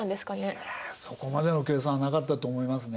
いやそこまでの計算はなかったと思いますね。